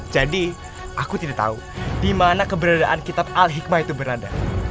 jadi aku tidak tahu di mana keberadaan kitab al hikmah itu berada